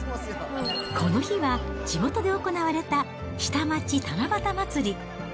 この日は地元で行われた下町七夕まつり。